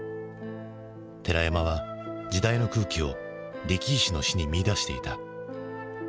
寺山は時代の空気を力石の死に見いだしていた。